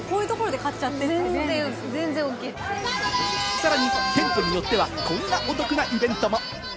さらに店舗によっては、こんなお得なイベントも。